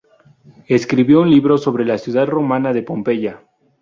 Escribió un libro sobre la ciudad romana de Pompeya.